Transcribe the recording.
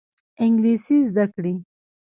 انګلیسي زده کړئ